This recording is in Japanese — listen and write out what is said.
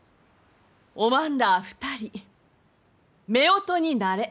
おまんら２人めおとになれ。